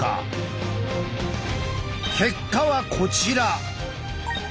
結果はこちら。